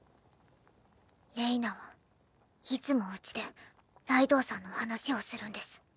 れいなはいつもうちでライドウさんの話をするんです。